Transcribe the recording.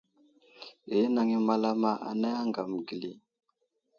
Ghinaŋ i malama anay aŋgam geli.